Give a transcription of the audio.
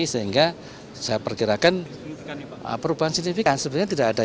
sehingga saya perkirakan perubahan signifikan sebenarnya tidak ada